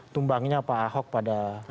tumbangnya pak ahok pada dua ribu dua belas